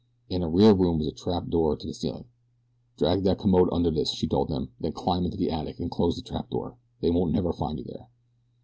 In a rear room was a trapdoor in the ceiling. "Drag that commode under this," she told them. "Then climb into the attic, and close the trapdoor. They won't never find you there."